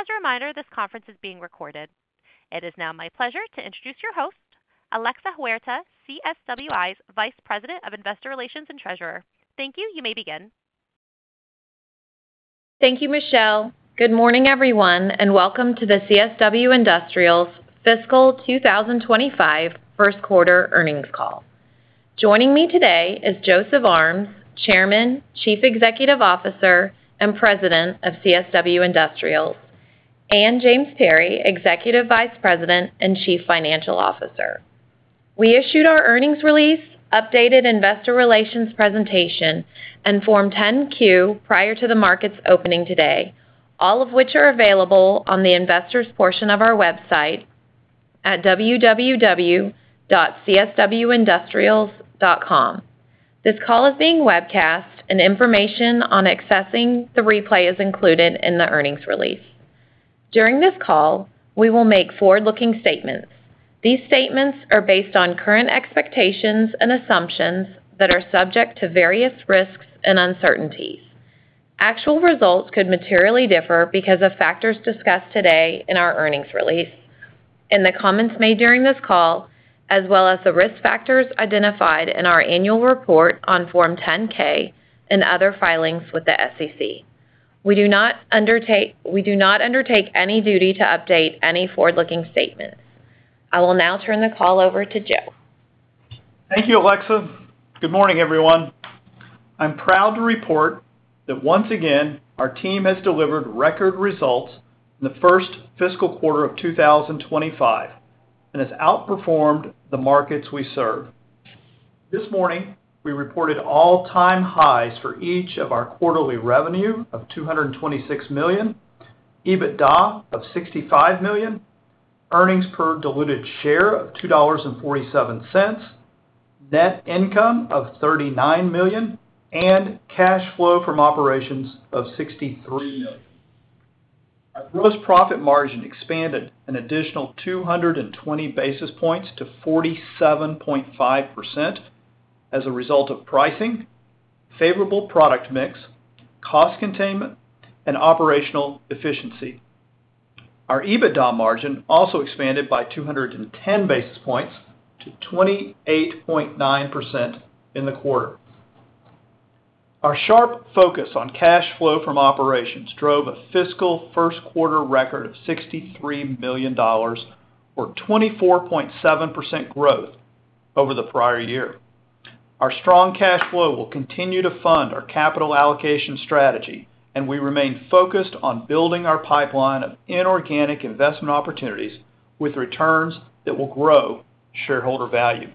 As a reminder, this conference is being recorded. It is now my pleasure to introduce your host, Alexa Huerta, CSWI's Vice President of Investor Relations and Treasurer. Thank you. You may begin. Thank you, Michelle. Good morning, everyone, and welcome to the CSW Industrials Fiscal 2025 First Quarter Earnings Call. Joining me today is Joseph Armes, Chairman, Chief Executive Officer, and President of CSW Industrials, and James Perry, Executive Vice President and Chief Financial Officer. We issued our earnings release, updated investor relations presentation, and Form 10-Q prior to the markets opening today, all of which are available on the investors' portion of our website at www.cswindustrials.com. This call is being webcast, and information on accessing the replay is included in the earnings release. During this call, we will make forward-looking statements. These statements are based on current expectations and assumptions that are subject to various risks and uncertainties. Actual results could materially differ because of factors discussed today in our earnings release, in the comments made during this call, as well as the risk factors identified in our annual report on Form 10-K and other filings with the SEC. We do not undertake any duty to update any forward-looking statements. I will now turn the call over to Joe. Thank you, Alexa. Good morning, everyone. I'm proud to report that once again, our team has delivered record results in the first fiscal quarter of 2025 and has outperformed the markets we serve. This morning, we reported all-time highs for each of our quarterly revenue of $226 million, EBITDA of $65 million, earnings per diluted share of $2.47, net income of $39 million, and cash flow from operations of $63 million. Our gross profit margin expanded an additional 220 basis points to 47.5% as a result of pricing, favorable product mix, cost containment, and operational efficiency. Our EBITDA margin also expanded by 210 basis points to 28.9% in the quarter. Our sharp focus on cash flow from operations drove a fiscal first quarter record of $63 million, or 24.7% growth over the prior year. Our strong cash flow will continue to fund our capital allocation strategy, and we remain focused on building our pipeline of inorganic investment opportunities with returns that will grow shareholder value.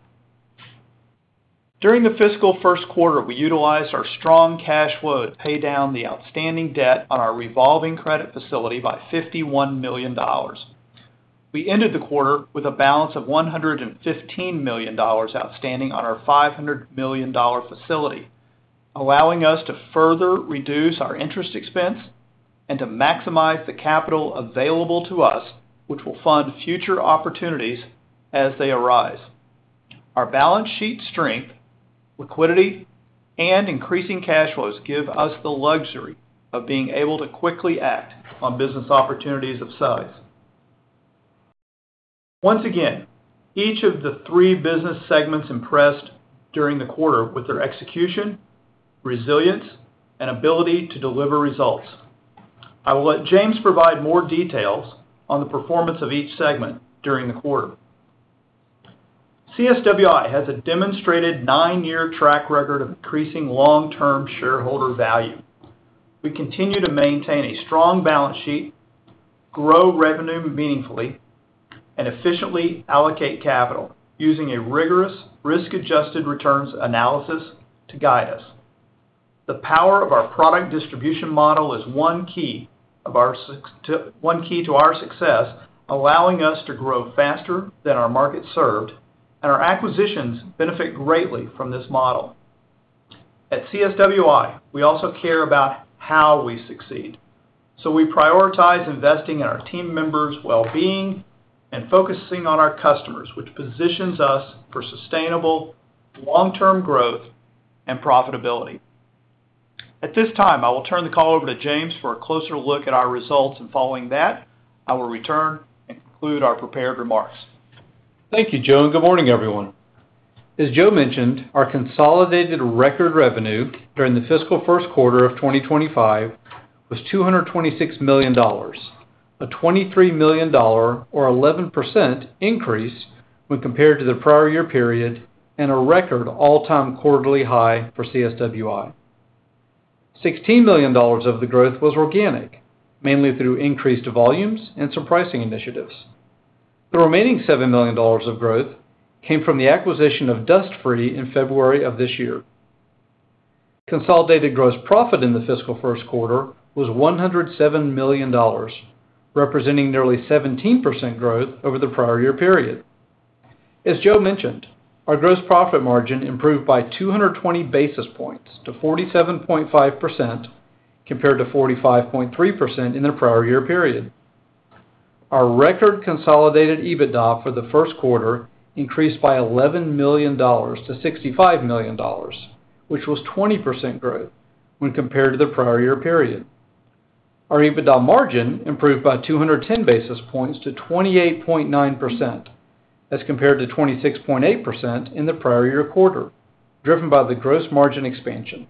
During the fiscal first quarter, we utilized our strong cash flow to pay down the outstanding debt on our revolving credit facility by $51 million. We ended the quarter with a balance of $115 million outstanding on our $500 million facility, allowing us to further reduce our interest expense and to maximize the capital available to us, which will fund future opportunities as they arise. Our balance sheet strength, liquidity, and increasing cash flows give us the luxury of being able to quickly act on business opportunities of size. Once again, each of the three business segments impressed during the quarter with their execution, resilience, and ability to deliver results. I will let James provide more details on the performance of each segment during the quarter. CSWI has a demonstrated nine-year track record of increasing long-term shareholder value. We continue to maintain a strong balance sheet, grow revenue meaningfully, and efficiently allocate capital using a rigorous risk-adjusted returns analysis to guide us. The power of our product distribution model is one key to our success, allowing us to grow faster than our market served, and our acquisitions benefit greatly from this model. At CSWI, we also care about how we succeed, so we prioritize investing in our team members' well-being and focusing on our customers, which positions us for sustainable long-term growth and profitability. At this time, I will turn the call over to James for a closer look at our results, and following that, I will return and conclude our prepared remarks. Thank you, Joe, and good morning, everyone. As Joe mentioned, our consolidated record revenue during the fiscal first quarter of 2025 was $226 million, a $23 million, or 11% increase when compared to the prior year period, and a record all-time quarterly high for CSWI. $16 million of the growth was organic, mainly through increased volumes and some pricing initiatives. The remaining $7 million of growth came from the acquisition of Dust Free in February of this year. Consolidated gross profit in the fiscal first quarter was $107 million, representing nearly 17% growth over the prior year period. As Joe mentioned, our gross profit margin improved by 220 basis points to 47.5% compared to 45.3% in the prior year period. Our record consolidated EBITDA for the first quarter increased by $11 million-$65 million, which was 20% growth when compared to the prior year period. Our EBITDA margin improved by 210 basis points to 28.9% as compared to 26.8% in the prior year quarter, driven by the gross margin expansion.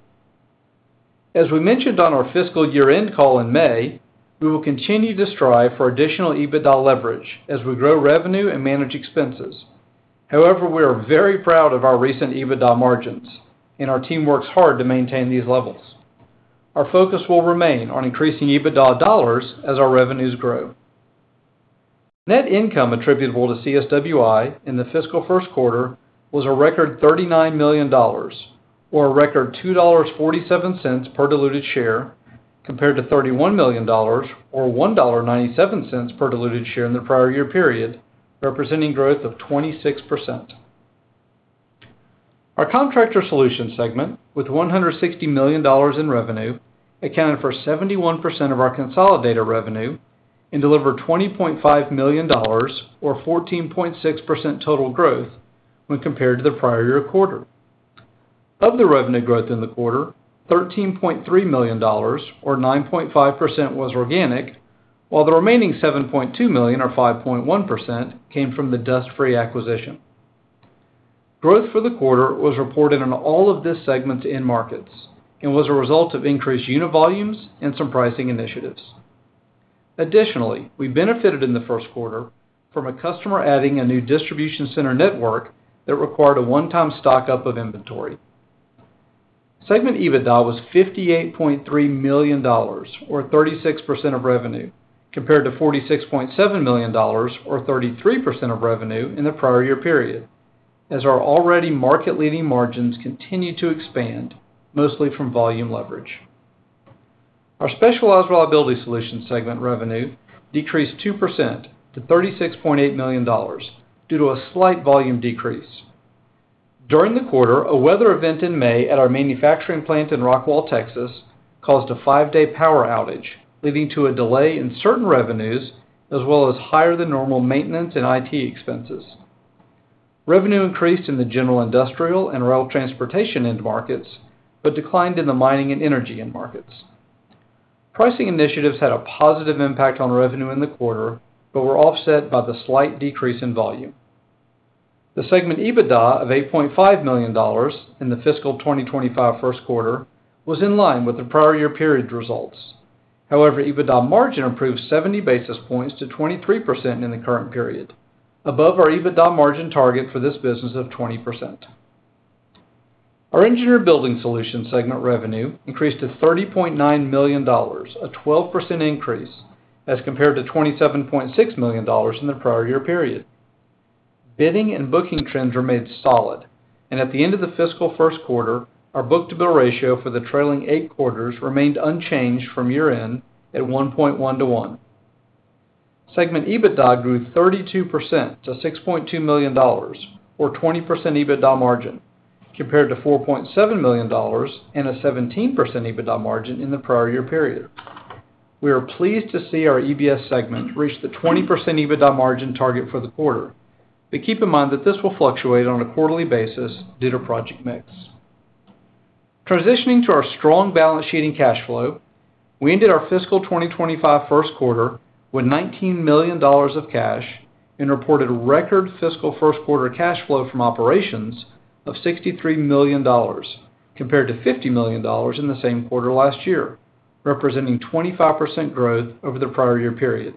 As we mentioned on our fiscal year-end call in May, we will continue to strive for additional EBITDA leverage as we grow revenue and manage expenses. However, we are very proud of our recent EBITDA margins, and our team works hard to maintain these levels. Our focus will remain on increasing EBITDA dollars as our revenues grow. Net income attributable to CSWI in the fiscal first quarter was a record $39 million, or a record $2.47 per diluted share, compared to $31 million, or $1.97 per diluted share in the prior year period, representing growth of 26%. Our Contractor Solutions segment, with $160 million in revenue, accounted for 71% of our consolidated revenue and delivered $20.5 million, or 14.6% total growth when compared to the prior year quarter. Of the revenue growth in the quarter, $13.3 million, or 9.5%, was organic, while the remaining $7.2 million, or 5.1%, came from the Dust Free acquisition. Growth for the quarter was reported in all of this segment end markets and was a result of increased unit volumes and some pricing initiatives. Additionally, we benefited in the first quarter from a customer adding a new distribution center network that required a one-time stock-up of inventory. Segment EBITDA was $58.3 million, or 36% of revenue, compared to $46.7 million, or 33% of revenue in the prior year period, as our already market-leading margins continued to expand, mostly from volume leverage. Our Specialized Reliability Solutions segment revenue decreased 2% to $36.8 million due to a slight volume decrease. During the quarter, a weather event in May at our manufacturing plant in Rockwall, Texas, caused a five-day power outage, leading to a delay in certain revenues, as well as higher-than-normal maintenance and IT expenses. Revenue increased in the general industrial and rail transportation end markets but declined in the mining and energy end markets. Pricing initiatives had a positive impact on revenue in the quarter but were offset by the slight decrease in volume. The segment EBITDA of $8.5 million in the fiscal 2025 first quarter was in line with the prior year period results. However, EBITDA margin improved 70 basis points to 23% in the current period, above our EBITDA margin target for this business of 20%. Our Engineered Building Solutions segment revenue increased to $30.9 million, a 12% increase as compared to $27.6 million in the prior year period. Bidding and booking trends remained solid, and at the end of the fiscal first quarter, our book-to-bill ratio for the trailing eight quarters remained unchanged from year-end at 1.1:1. Segment EBITDA grew 32% to $6.2 million, or 20% EBITDA margin, compared to $4.7 million and a 17% EBITDA margin in the prior year period. We are pleased to see our EBS segment reach the 20% EBITDA margin target for the quarter, but keep in mind that this will fluctuate on a quarterly basis due to project mix. Transitioning to our strong balance sheet and cash flow, we ended our fiscal 2025 first quarter with $19 million of cash and reported record fiscal first quarter cash flow from operations of $63 million, compared to $50 million in the same quarter last year, representing 25% growth over the prior year period.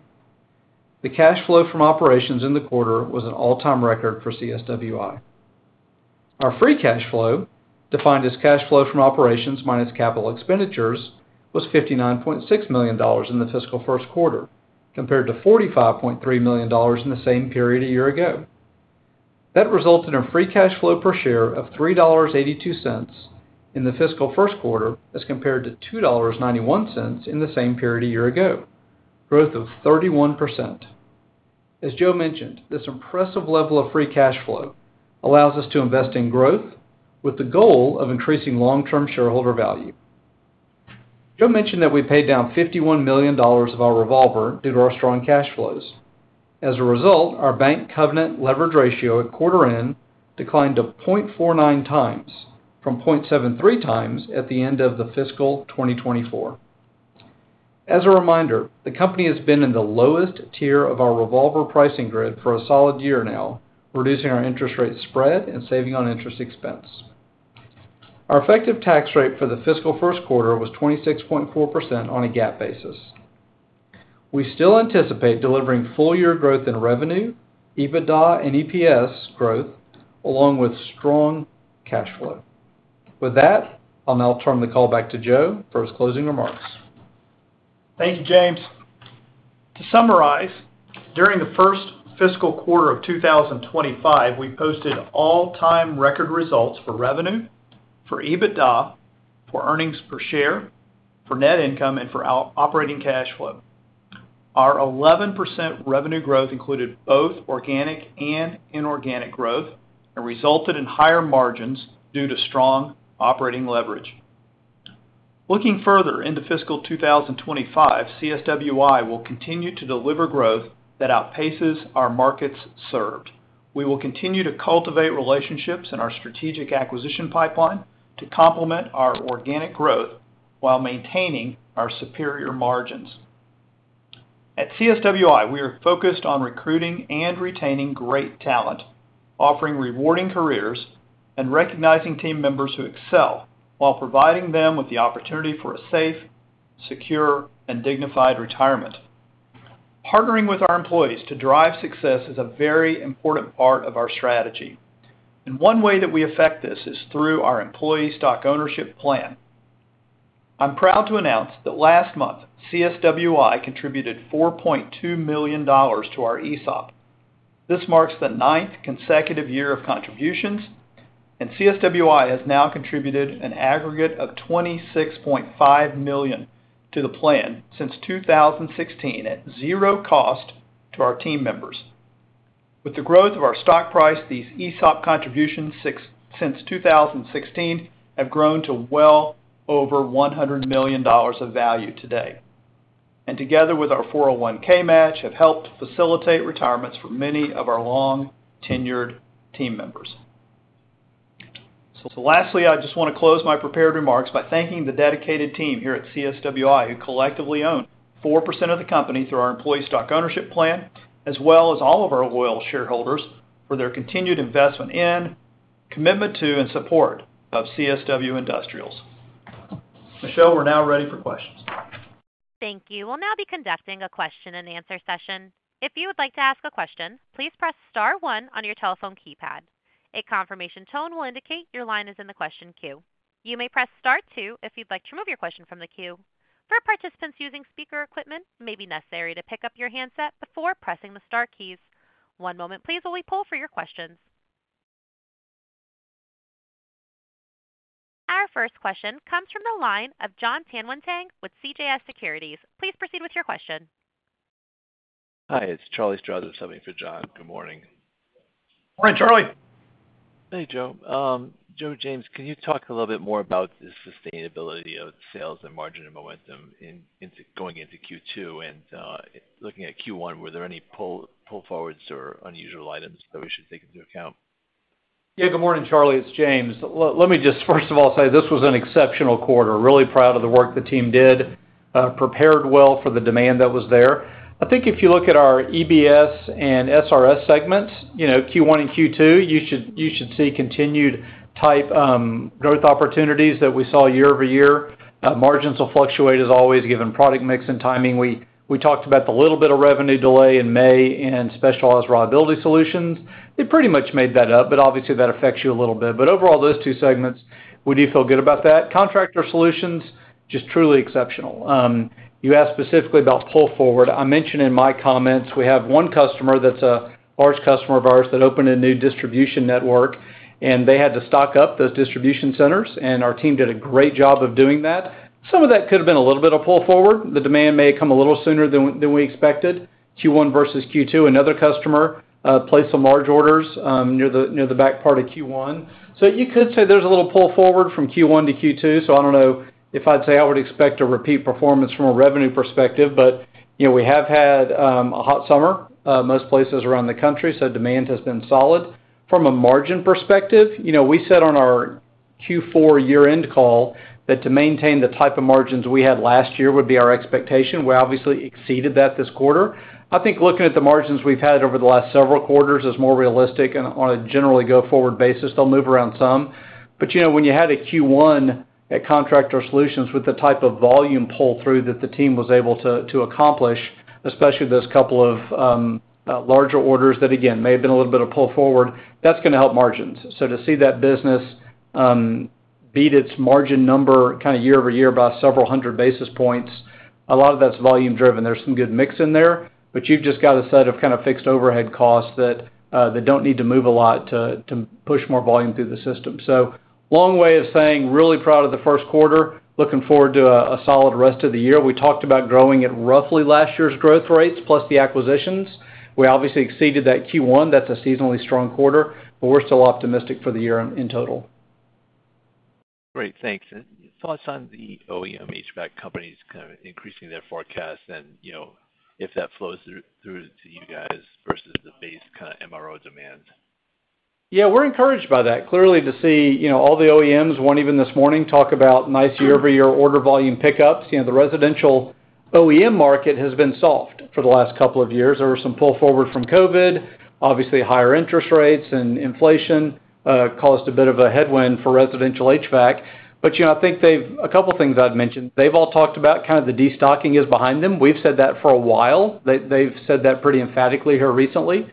The cash flow from operations in the quarter was an all-time record for CSWI. Our free cash flow, defined as cash flow from operations minus capital expenditures, was $59.6 million in the fiscal first quarter, compared to $45.3 million in the same period a year ago. That resulted in free cash flow per share of $3.82 in the fiscal first quarter as compared to $2.91 in the same period a year ago, growth of 31%. As Joe mentioned, this impressive level of free cash flow allows us to invest in growth with the goal of increasing long-term shareholder value. Joe mentioned that we paid down $51 million of our revolver due to our strong cash flows. As a result, our bank-covenant leverage ratio at quarter-end declined to 0.49 times from 0.73 times at the end of the fiscal 2024. As a reminder, the company has been in the lowest tier of our revolver pricing grid for a solid year now, reducing our interest rate spread and saving on interest expense. Our effective tax rate for the fiscal first quarter was 26.4% on a GAAP basis. We still anticipate delivering full-year growth in revenue, EBITDA, and EPS growth, along with strong cash flow. With that, I'll now turn the call back to Joe for his closing remarks. Thank you, James. To summarize, during the first fiscal quarter of 2025, we posted all-time record results for revenue, for EBITDA, for earnings per share, for net income, and for operating cash flow. Our 11% revenue growth included both organic and inorganic growth and resulted in higher margins due to strong operating leverage. Looking further into fiscal 2025, CSWI will continue to deliver growth that outpaces our markets served. We will continue to cultivate relationships in our strategic acquisition pipeline to complement our organic growth while maintaining our superior margins. At CSWI, we are focused on recruiting and retaining great talent, offering rewarding careers, and recognizing team members who excel while providing them with the opportunity for a safe, secure, and dignified retirement. Partnering with our employees to drive success is a very important part of our strategy. One way that we affect this is through our employee stock ownership plan. I'm proud to announce that last month, CSWI contributed $4.2 million to our ESOP. This marks the ninth consecutive year of contributions, and CSWI has now contributed an aggregate of $26.5 million to the plan since 2016 at zero cost to our team members. With the growth of our stock price, these ESOP contributions since 2016 have grown to well over $100 million of value today, and together with our 401(k) match have helped facilitate retirements for many of our long-tenured team members. So lastly, I just want to close my prepared remarks by thanking the dedicated team here at CSWI who collectively own 4% of the company through our employee stock ownership plan, as well as all of our loyal shareholders for their continued investment in, commitment to, and support of CSW Industrials. Michelle, we're now ready for questions. Thank you. We'll now be conducting a question-and-answer session. If you would like to ask a question, please press Star 1 on your telephone keypad. A confirmation tone will indicate your line is in the question queue. You may press Star 2 if you'd like to remove your question from the queue. For participants using speaker equipment, it may be necessary to pick up your handset before pressing the Star keys. One moment, please, while we pull for your questions. Our first question comes from the line of Jon Tanwanteng with CJS Securities. Please proceed with your question. Hi, it's Charlie Strauzer. Something for Jon. Good morning. Morning, Charlie. Hey, Joe. Joe and James, can you talk a little bit more about the sustainability of sales and margin and momentum going into Q2 and looking at Q1? Were there any pull forwards or unusual items that we should take into account? Yeah, good morning, Charlie. It's James. Let me just, first of all, say this was an exceptional quarter. Really proud of the work the team did, prepared well for the demand that was there. I think if you look at our EBS and SRS segments, Q1 and Q2, you should see continued type growth opportunities that we saw year-over-year. Margins will fluctuate, as always, given product mix and timing. We talked about the little bit of revenue delay in May and Specialized Reliability Solutions. They pretty much made that up, but obviously, that affects you a little bit. But overall, those two segments, we do feel good about that. Contractor Solutions, just truly exceptional. You asked specifically about pull forward. I mentioned in my comments we have one customer that's a large customer of ours that opened a new distribution network, and they had to stock up those distribution centers, and our team did a great job of doing that. Some of that could have been a little bit of pull forward. The demand may have come a little sooner than we expected. Q1 versus Q2, another customer placed some large orders near the back part of Q1. So you could say there's a little pull forward from Q1 to Q2. So I don't know if I'd say I would expect a repeat performance from a revenue perspective, but we have had a hot summer most places around the country, so demand has been solid. From a margin perspective, we said on our Q4 year-end call that to maintain the type of margins we had last year would be our expectation. We obviously exceeded that this quarter. I think looking at the margins we've had over the last several quarters is more realistic on a generally go-forward basis. They'll move around some. But when you had a Q1 at Contractor Solutions with the type of volume pull-through that the team was able to accomplish, especially those couple of larger orders that, again, may have been a little bit of pull forward, that's going to help margins. So to see that business beat its margin number kind of year-over-year by several hundred basis points, a lot of that's volume-driven. There's some good mix in there, but you've just got a set of kind of fixed overhead costs that don't need to move a lot to push more volume through the system. So long way of saying, really proud of the first quarter, looking forward to a solid rest of the year. We talked about growing at roughly last year's growth rates plus the acquisitions. We obviously exceeded that Q1. That's a seasonally strong quarter, but we're still optimistic for the year in total. Great. Thanks. Thoughts on the OEM HVAC companies kind of increasing their forecasts and if that flows through to you guys versus the base kind of MRO demand? Yeah, we're encouraged by that, clearly, to see all the OEMs want even this morning talk about nice year-over-year order volume pickups. The residential OEM market has been soft for the last couple of years. There were some pull forward from COVID. Obviously, higher interest rates and inflation caused a bit of a headwind for residential HVAC. But I think a couple of things I'd mentioned. They've all talked about kind of the destocking is behind them. We've said that for a while. They've said that pretty emphatically here recently.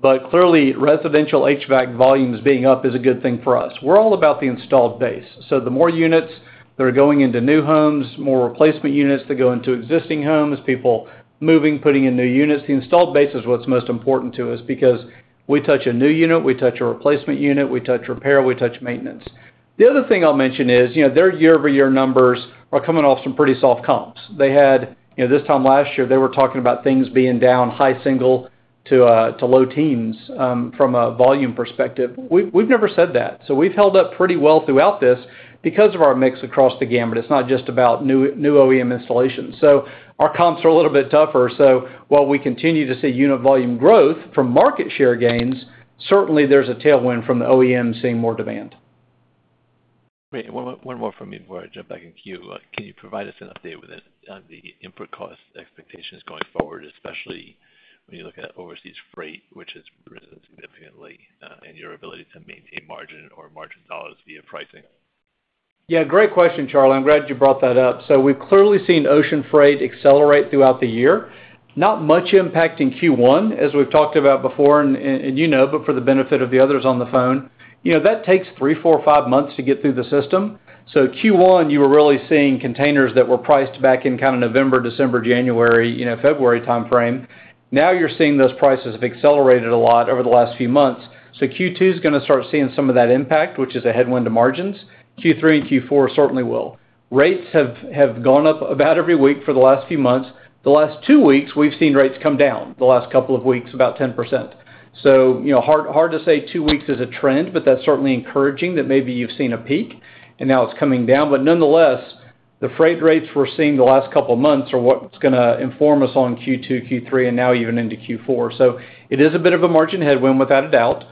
But clearly, residential HVAC volumes being up is a good thing for us. We're all about the installed base. So the more units that are going into new homes, more replacement units that go into existing homes, people moving, putting in new units, the installed base is what's most important to us because we touch a new unit, we touch a replacement unit, we touch repair, we touch maintenance. The other thing I'll mention is their year-over-year numbers are coming off some pretty soft comps. They had this time last year. They were talking about things being down high single- to low-teens from a volume perspective. We've never said that. So we've held up pretty well throughout this because of our mix across the gamut. It's not just about new OEM installations. So our comps are a little bit tougher. So while we continue to see unit volume growth from market share gains, certainly there's a tailwind from the OEM seeing more demand. Great. One more from me before I jump back in queue. Can you provide us an update with the input cost expectations going forward, especially when you look at overseas freight, which has risen significantly, and your ability to maintain margin or margin dollars via pricing? Yeah, great question, Charlie. I'm glad you brought that up. So we've clearly seen ocean freight accelerate throughout the year, not much impacting Q1, as we've talked about before, and you know, but for the benefit of the others on the phone, that takes 3, 4, 5 months to get through the system. So Q1, you were really seeing containers that were priced back in kind of November, December, January, February timeframe. Now you're seeing those prices have accelerated a lot over the last few months. So Q2 is going to start seeing some of that impact, which is a headwind to margins. Q3 and Q4 certainly will. Rates have gone up about every week for the last few months. The last 2 weeks, we've seen rates come down the last couple of weeks, about 10%. So hard to say two weeks is a trend, but that's certainly encouraging that maybe you've seen a peak and now it's coming down. But nonetheless, the freight rates we're seeing the last couple of months are what's going to inform us on Q2, Q3, and now even into Q4. So it is a bit of a margin headwind, without a doubt.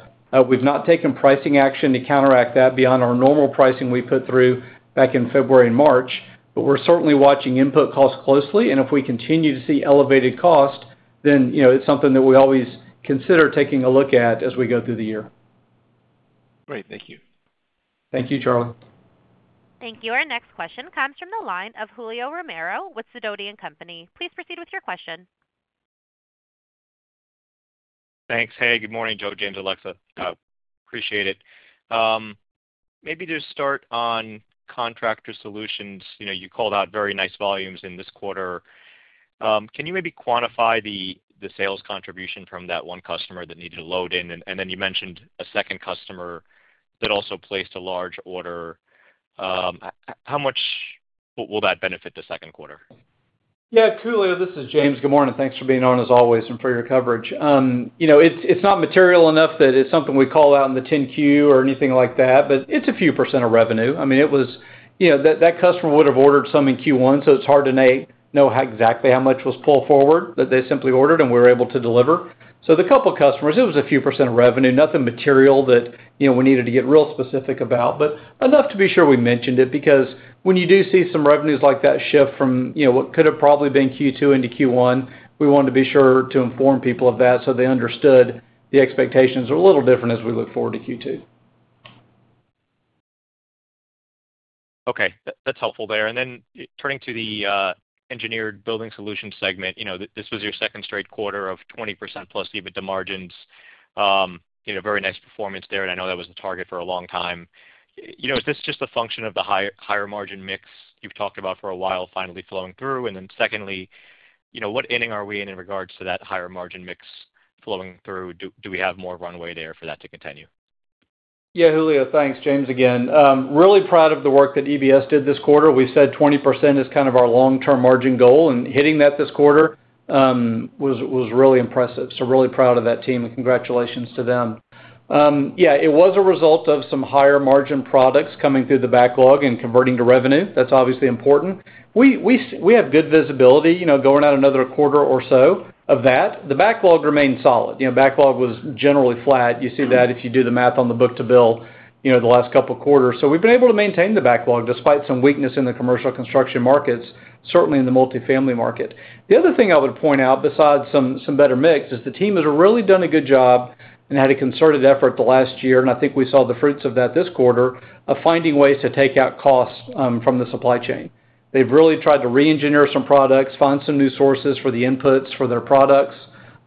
We've not taken pricing action to counteract that beyond our normal pricing we put through back in February and March, but we're certainly watching input costs closely. And if we continue to see elevated costs, then it's something that we always consider taking a look at as we go through the year. Great. Thank you. Thank you, Charlie. Thank you. Our next question comes from the line of Julio Romero with Sidoti & Company. Please proceed with your question. Thanks. Hey, good morning, Joe, James, Alexa. Appreciate it. Maybe to start on Contractor Solutions, you called out very nice volumes in this quarter. Can you maybe quantify the sales contribution from that one customer that needed to load in? And then you mentioned a second customer that also placed a large order. How much will that benefit the second quarter? Yeah, truly, this is James. Good morning. Thanks for being on as always and for your coverage. It's not material enough that it's something we call out in the 10-Q or anything like that, but it's a few % of revenue. I mean, that customer would have ordered some in Q1, so it's hard to know exactly how much was pulled forward that they simply ordered and we were able to deliver. So the couple of customers, it was a few % of revenue, nothing material that we needed to get real specific about, but enough to be sure we mentioned it because when you do see some revenues like that shift from what could have probably been Q2 into Q1, we wanted to be sure to inform people of that so they understood the expectations are a little different as we look forward to Q2. Okay. That's helpful there. And then turning to the Engineered Building Solutions segment, this was your second straight quarter of 20% plus even to margins, very nice performance there, and I know that was the target for a long time. Is this just a function of the higher margin mix you've talked about for a while finally flowing through? And then secondly, what inning are we in in regards to that higher margin mix flowing through? Do we have more runway there for that to continue? Yeah, Julio, thanks. James again. Really proud of the work that EBS did this quarter. We said 20% is kind of our long-term margin goal, and hitting that this quarter was really impressive. So really proud of that team and congratulations to them. Yeah, it was a result of some higher margin products coming through the backlog and converting to revenue. That's obviously important. We have good visibility going out another quarter or so of that. The backlog remained solid. Backlog was generally flat. You see that if you do the math on the book-to-bill the last couple of quarters. So we've been able to maintain the backlog despite some weakness in the commercial construction markets, certainly in the multifamily market. The other thing I would point out, besides some better mix, is the team has really done a good job and had a concerted effort the last year, and I think we saw the fruits of that this quarter of finding ways to take out costs from the supply chain. They've really tried to re-engineer some products, find some new sources for the inputs for their products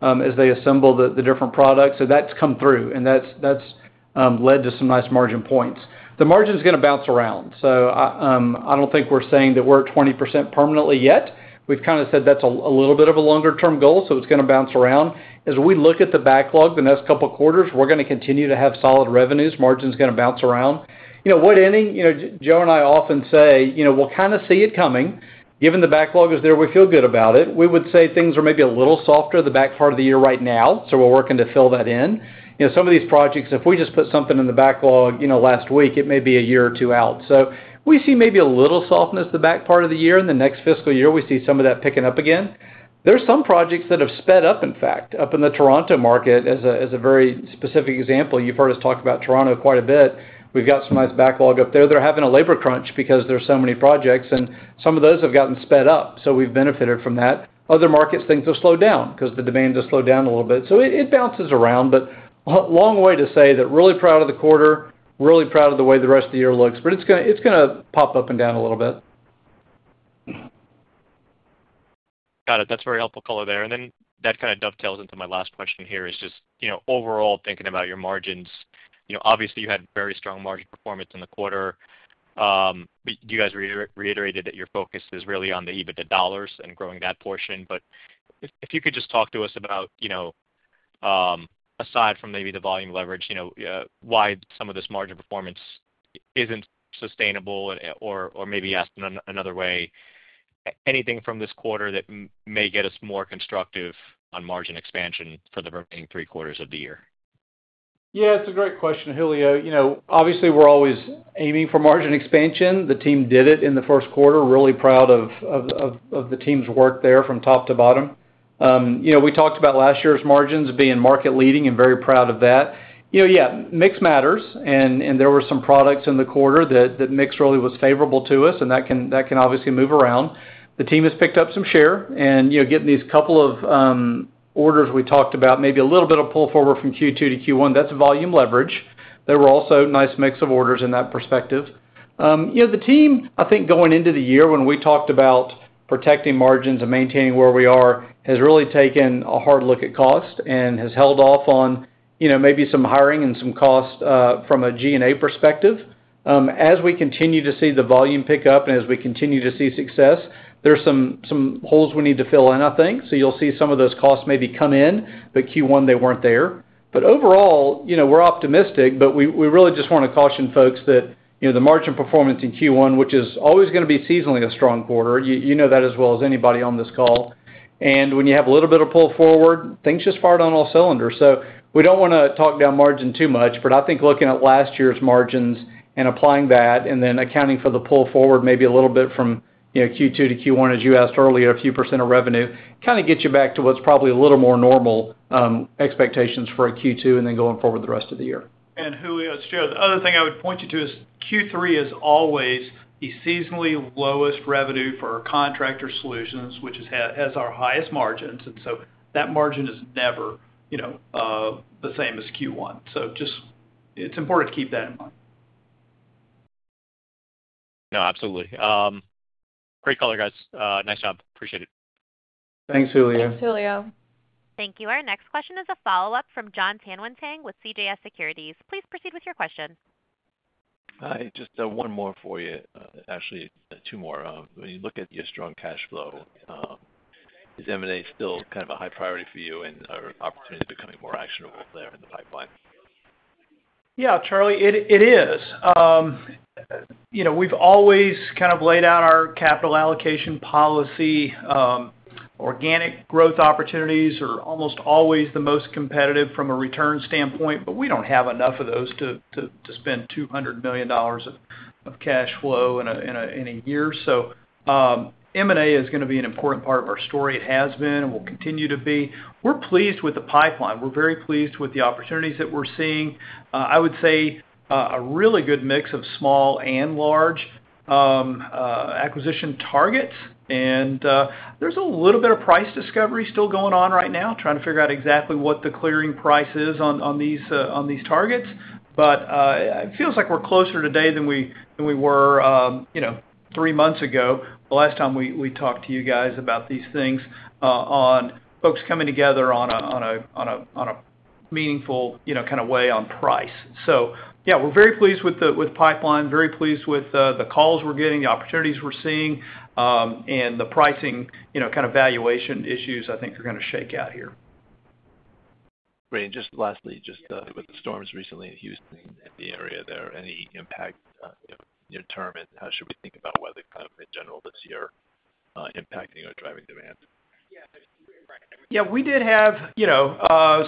as they assemble the different products. So that's come through, and that's led to some nice margin points. The margin's going to bounce around. So I don't think we're saying that we're at 20% permanently yet. We've kind of said that's a little bit of a longer-term goal, so it's going to bounce around. As we look at the backlog, the next couple of quarters, we're going to continue to have solid revenues. Margin's going to bounce around. What inning? Joe and I often say we'll kind of see it coming. Given the backlog is there, we feel good about it. We would say things are maybe a little softer the back part of the year right now, so we're working to fill that in. Some of these projects, if we just put something in the backlog last week, it may be a year or two out. So we see maybe a little softness the back part of the year. In the next fiscal year, we see some of that picking up again. There's some projects that have sped up, in fact, up in the Toronto market as a very specific example. You've heard us talk about Toronto quite a bit. We've got some nice backlog up there. They're having a labor crunch because there's so many projects, and some of those have gotten sped up. So we've benefited from that. Other markets, things have slowed down because the demand has slowed down a little bit. So it bounces around, but a long way to say that really proud of the quarter. Really proud of the way the rest of the year looks, but it's going to pop up and down a little bit. Got it. That's very helpful color there. And then that kind of dovetails into my last question here is just overall thinking about your margins. Obviously, you had very strong margin performance in the quarter. You guys reiterated that your focus is really on the even the dollars and growing that portion. But if you could just talk to us about, aside from maybe the volume leverage, why some of this margin performance isn't sustainable or maybe asked in another way, anything from this quarter that may get us more constructive on margin expansion for the remaining three quarters of the year? Yeah, it's a great question, Julio. Obviously, we're always aiming for margin expansion. The team did it in the first quarter. Really proud of the team's work there from top to bottom. We talked about last year's margins being market-leading and very proud of that. Yeah, mix matters. And there were some products in the quarter that mix really was favorable to us, and that can obviously move around. The team has picked up some share and getting these couple of orders we talked about, maybe a little bit of pull forward from Q2 to Q1, that's volume leverage. There were also nice mix of orders in that perspective. The team, I think going into the year when we talked about protecting margins and maintaining where we are, has really taken a hard look at cost and has held off on maybe some hiring and some cost from a G&A perspective. As we continue to see the volume pick up and as we continue to see success, there's some holes we need to fill in, I think. So you'll see some of those costs maybe come in, but Q1, they weren't there. But overall, we're optimistic, but we really just want to caution folks that the margin performance in Q1, which is always going to be seasonally a strong quarter, you know that as well as anybody on this call. And when you have a little bit of pull forward, things just fire on all cylinders. So we don't want to talk down margin too much, but I think looking at last year's margins and applying that and then accounting for the pull forward maybe a little bit from Q2 to Q1, as you asked earlier, a few% of revenue kind of gets you back to what's probably a little more normal expectations for a Q2 and then going forward the rest of the year. And Julio, the other thing I would point you to is Q3 is always the seasonally lowest revenue for Contractor Solutions, which has our highest margins. And so that margin is never the same as Q1. So it's important to keep that in mind. No, absolutely. Great call, guys. Nice job. Appreciate it. Thanks, Julio. Thanks, Julio. Thank you. Our next question is a follow-up from Jon Tanwanteng with CJS Securities. Please proceed with your question. Hi. Just one more for you, actually, two more. When you look at your strong cash flow, is M&A still kind of a high priority for you and an opportunity to becoming more actionable there in the pipeline? Yeah, Charlie, it is. We've always kind of laid out our capital allocation policy. Organic growth opportunities are almost always the most competitive from a return standpoint, but we don't have enough of those to spend $200 million of cash flow in a year. So M&A is going to be an important part of our story. It has been and will continue to be. We're pleased with the pipeline. We're very pleased with the opportunities that we're seeing. I would say a really good mix of small and large acquisition targets. And there's a little bit of price discovery still going on right now, trying to figure out exactly what the clearing price is on these targets. But it feels like we're closer today than we were three months ago, the last time we talked to you guys about these things on folks coming together on a meaningful kind of way on price. So yeah, we're very pleased with the pipeline, very pleased with the calls we're getting, the opportunities we're seeing, and the pricing kind of valuation issues I think are going to shake out here. Great. And just lastly, just with the storms recently in Houston and the area there, any impact near term and how should we think about weather kind of in general this year impacting or driving demand? Yeah, we did have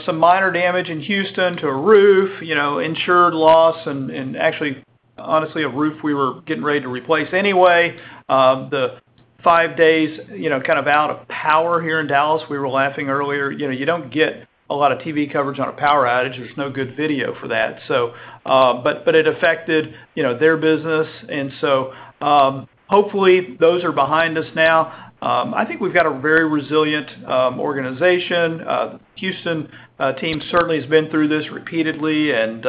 some minor damage in Houston to a roof, insured loss, and actually, honestly, a roof we were getting ready to replace anyway. The 5 days kind of out of power here in Dallas, we were laughing earlier. You don't get a lot of TV coverage on a power outage. There's no good video for that. But it affected their business. So hopefully those are behind us now. I think we've got a very resilient organization. The Houston team certainly has been through this repeatedly, and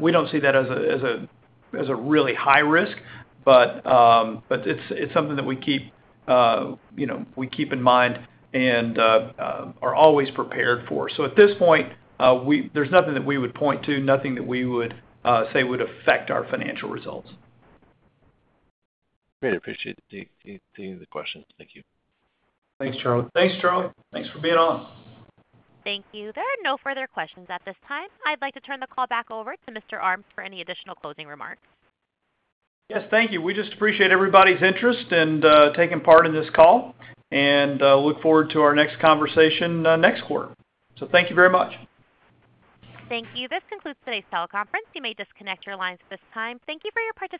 we don't see that as a really high risk, but it's something that we keep in mind and are always prepared for. So at this point, there's nothing that we would point to, nothing that we would say would affect our financial results. Great. Appreciate the questions. Thank you. Thanks, Charlie. Thanks, Charlie. Thanks for being on. Thank you. There are no further questions at this time. I'd like to turn the call back over to Mr. Armes for any additional closing remarks. Yes, thank you. We just appreciate everybody's interest in taking part in this call and look forward to our next conversation next quarter. So thank you very much. Thank you. This concludes today's teleconference. You may disconnect your lines at this time. Thank you for your participation.